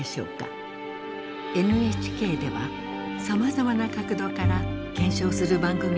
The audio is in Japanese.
ＮＨＫではさまざまな角度から検証する番組を放送してきました。